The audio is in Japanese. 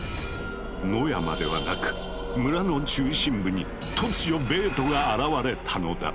野山ではなく村の中心部に突如ベートが現れたのだ。